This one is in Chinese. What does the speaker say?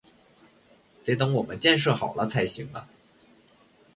得等我们建设好了才行啊